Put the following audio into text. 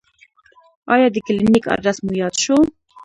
ایا د کلینیک ادرس مو یاد شو؟